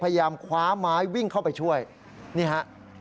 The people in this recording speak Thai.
เพราะถูกทำร้ายเหมือนการบาดเจ็บเนื้อตัวมีแผลถลอก